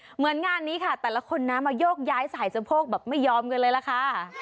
เหมือนงานนี้ค่ะแต่ละคนนะมาโยกย้ายสายสะโพกแบบไม่ยอมกันเลยล่ะค่ะ